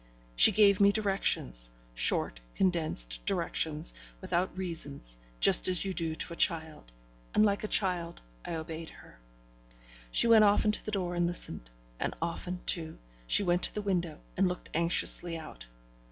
She gave me directions short condensed directions, without reasons just as you do to a child; and like a child I obeyed her. She went often to the door and listened; and often, too, she went to the window, and looked anxiously out.